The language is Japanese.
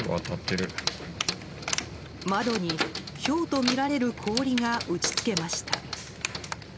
窓にひょうとみられる氷が打ち付けました。